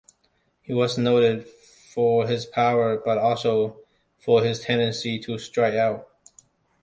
He was noted for his power, but also for his tendency to strike out.